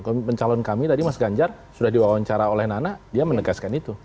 komitmen calon kami tadi mas ganjar sudah diwawancara oleh nana dia menegaskan itu